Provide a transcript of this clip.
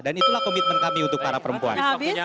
dan itulah komitmen kami untuk para perempuan